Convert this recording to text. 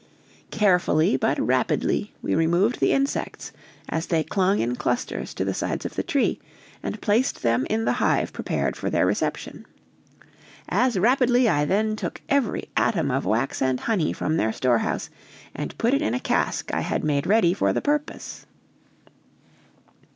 Carefully but rapidly we removed the insects, as they clung in clusters to the sides of the tree, and placed them in the hive prepared for their reception. As rapidly I then took every atom of wax and honey from their storehouse, and put it in a cask I had made ready for the purpose.